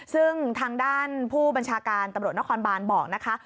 ซึ่งทางด้านผู้บัญชาการตำรวจนครบานบอกนะคะ